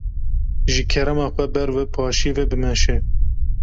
Ji kerema xwe ber bi paşiyê ve bimeşe.